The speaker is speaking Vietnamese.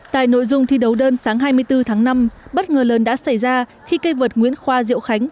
tại nội dung thi đấu đơn sáng hai mươi bốn tháng năm bất ngờ lớn đã xảy ra khi cây vợt nguyễn khoa diệu khánh